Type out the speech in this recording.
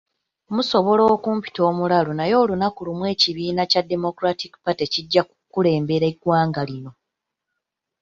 Musobola okumpita omulalu naye olunaku lumu ekibiina kya Democratic Party kijja kukulembera eggwanga lino.